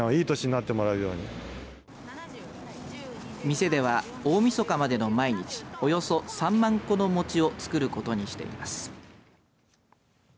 店では、大みそかまでの毎日およそ３万個の餅を作ることにしています。